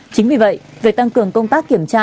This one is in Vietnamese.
chính vì vậy việc tăng cường công tác kiểm tra